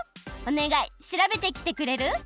おねがいしらべてきてくれる？